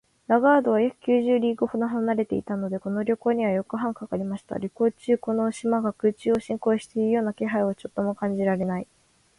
ラガードは約九十リーグほど離れていたので、この旅行には四日半かかりました。旅行中、この島が空中を進行しているような気配はちょっとも感じられない